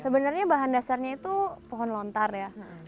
sebenarnya bahan dasarnya itu pohon lontar ya